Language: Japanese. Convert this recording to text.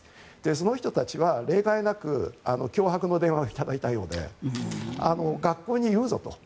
その人たちは例外なく脅迫の電話を頂いたようで学校に言うぞと。